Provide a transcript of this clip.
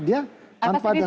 dia tanpa dasar